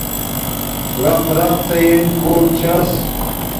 رَق رق تئ انݣ کوٹ چھس